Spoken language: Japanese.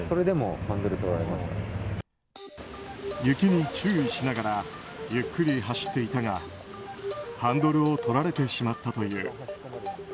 雪に注意しながらゆっくり走っていたがハンドルを取られてしまったという。